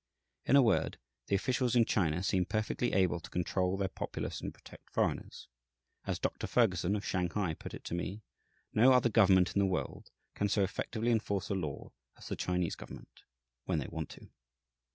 In a word, the officials in China seem perfectly able to control their populace and protect foreigners. As Dr. Ferguson, of Shanghai, put it to me, "No other government in the world can so effectively enforce a law as the Chinese government when they want to!"